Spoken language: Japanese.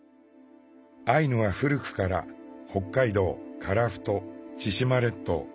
アイヌは古くから北海道樺太千島列島